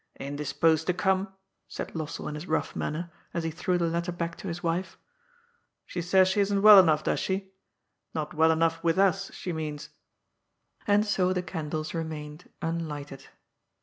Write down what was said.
^' Indisposed to come," said Lossell in his rough manner, as he threw the letter back to his wife. " She says she isn't well enough, does she ? Not well enough with us, she means." And so the candles remained unlighted.